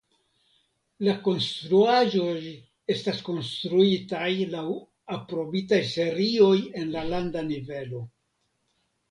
La konstruaĵoj estis konstruitaj laŭ aprobitaj serioj en la landa nivelo.